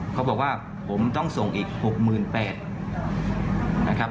เขาบอกว่าผมต้องส่งอีก๖๘๐๐๐บาท